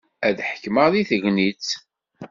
Ad ḥekmen deg tegnit.